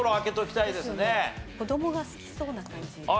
子どもが好きそうな感じ。